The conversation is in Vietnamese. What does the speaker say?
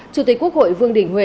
chủ tịch quốc hội vương đình huệ